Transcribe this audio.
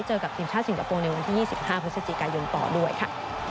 เจอกับทีมชาติสิงคโปร์ในวันที่๒๕พฤศจิกายนต่อด้วยค่ะ